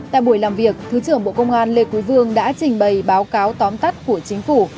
tại buổi làm việc thứ trưởng bộ công an lê quý vương đã trình bày báo cáo tóm tắt của chính phủ